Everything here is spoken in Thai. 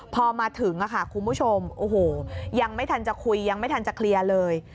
พอมาถึงค่ะคุณผู้ชมโอ้โหยังไม่ทันจะคุยยังไม่ทันจะเคลียร์เลย